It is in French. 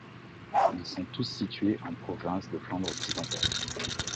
Ils sont tous situés en province de Flandre-Occidentale.